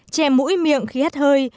kèm mũi miệng khi hét hơi